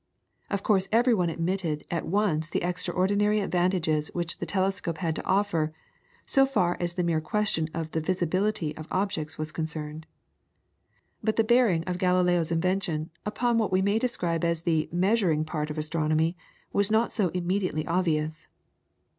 Of course every one admitted at once the extraordinary advantages which the telescope had to offer, so far as the mere question of the visibility of objects was concerned. But the bearing of Galileo's invention upon what we may describe as the measuring part of astronomy was not so immediately obvious.